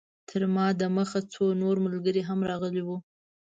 تر ما د مخه څو نور ملګري هم راغلي وو.